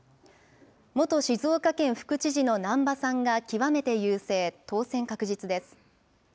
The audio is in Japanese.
元静岡県副知事の難波さんが極めて優勢、当選確実です。